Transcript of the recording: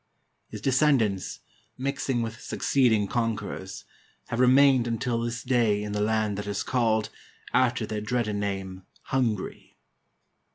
His descendants, mixing with suc ceeding conquerors, have remained until this day in the land that is called, after their dreaded name, Hungary."